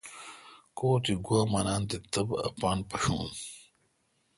کو تہ گوا منان تہ تبتھہ اپان پھݭون۔